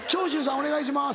お願いします。